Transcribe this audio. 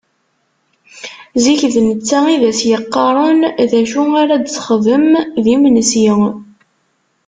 Zik, d netta i d as-d-yeqqaren d acu ara d-texdem d imensi.